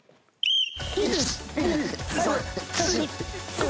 １２３４５。